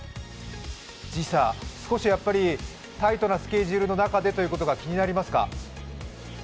時差、少しタイトなスケジュールでというのが気になりますか？